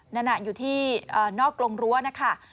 นั่นอยู่ที่นอกกรงรั้วนะคะ